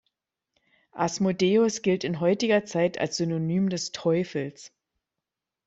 Asmodeus gilt in heutiger Zeit ein Synonym des Teufels.